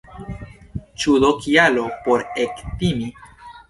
Ĉu do kialo por ektimi?